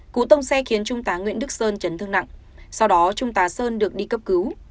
cú tông xe khiến trung tá nguyễn đức sơn chấn thương nặng sau đó trung tá sơn được đi cấp cứu